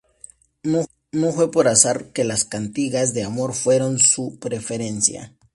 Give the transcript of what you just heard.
No fue por azar que las cantigas de amor fueron su preferencia.